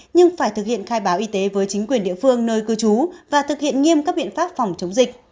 nhưng phải thực hiện khai báo y tế với chính quyền địa phương nơi cư trú và thực hiện nghiêm các biện pháp phòng chống dịch